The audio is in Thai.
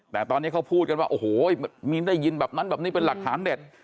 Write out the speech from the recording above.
แต่ตอนนี้เขาพูดกันว่าโอ้โหมีได้ยินแบบนั้นแบบนี้เป็นหลักฐานเด็ด